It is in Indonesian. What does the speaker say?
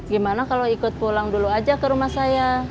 gimana kalau ikut pulang dulu aja ke rumah saya